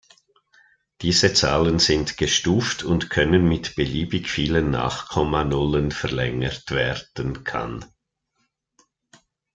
Diese Zahlen sind "gestuft" und können mit beliebig vielen Nachkomma-Nullen verlängert werden kann.